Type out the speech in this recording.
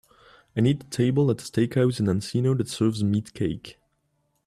I need a table at a steakhouse in Encino that serves meatcake